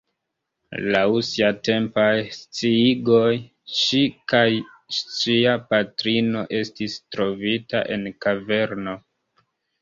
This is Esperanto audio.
Laŭ siatempaj sciigoj, ŝi kaj ŝia patrino estis trovita en kaverno.